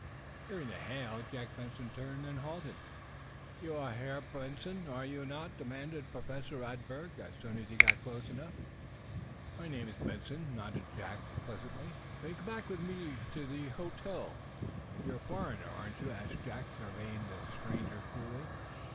Hearing the hail, Jack Benson turned, then halted. "You are Herr Benson, are you not?" demanded Professor Radberg, as soon as he got close enough. "Benson is my name," nodded Jack, pleasantly. "Then come back to the hotel with me." "You are a foreigner, aren't you?" asked Jack, surveying the stranger coolly.